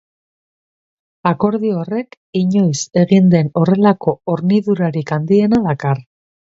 Akordio horrek inoiz egin den horrelako hornidurarik handiena dakar.